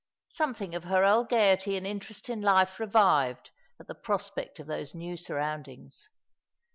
Something of her old gaiety and interest in life revived at the prospect of those new sur roundings.